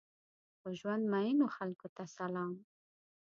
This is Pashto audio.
په ژوند مئینو خلکو ته سلام!